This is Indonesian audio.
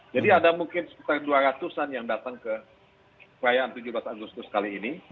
jadi ada mungkin sekitar dua ratus an yang datang ke perayaan tujuh belas agustus kali ini